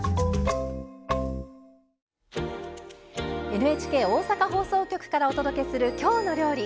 ＮＨＫ大阪放送局からお届けする「きょうの料理」。